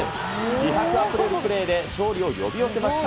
気迫あふれるプレーで勝利を呼び寄せました。